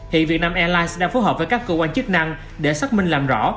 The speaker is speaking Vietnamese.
hiện việt nam airlines đang phối hợp với các cơ quan chức năng để xác minh làm rõ